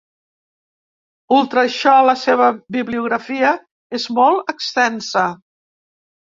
Ultra això, la seva bibliografia és molt extensa.